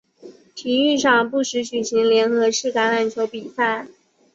体育场不时举行联合式橄榄球比赛。